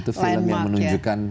itu film yang menunjukkan